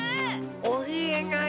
おひえない。